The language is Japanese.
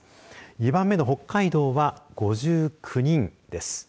２番目の北海道は５１９人です。